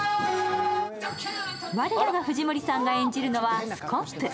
我らが藤森さんが演じるのはスコップ。